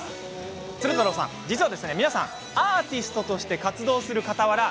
鶴太郎さん実は皆さん、アーティストとして活動するかたわら